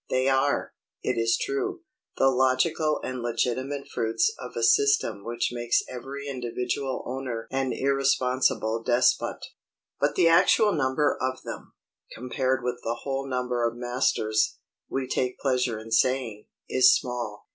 They are, it is true, the logical and legitimate fruits of a system which makes every individual owner an irresponsible despot. But the actual number of them, compared with the whole number of masters, we take pleasure in saying, is small.